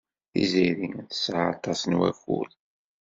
Tiziri tesɛa aṭas n wakud.